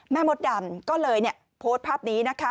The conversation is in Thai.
มดดำก็เลยโพสต์ภาพนี้นะคะ